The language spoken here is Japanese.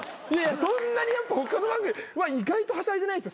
そんなに他の番組は意外とはしゃいでないです